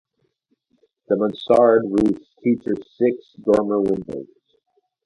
The Mansard roof features six dormer windows.